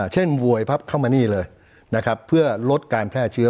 โวยพับเข้ามานี่เลยนะครับเพื่อลดการแพร่เชื้อ